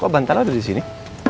kok bantal ada di sini